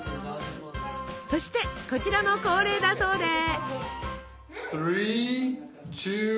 そしてこちらも恒例だそうで。